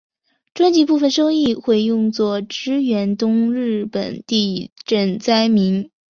专辑部分收益会用作支援东日本地震灾民。